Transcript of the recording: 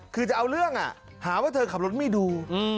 คือจะเอาเรื่องหาว่าเธอขับรถไม่ดู